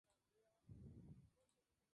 Sin embargo, se anunció que seguiría jugando.